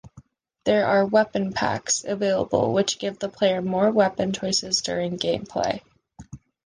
There are "weapon packs" available which give the player more weapon choices during gameplay.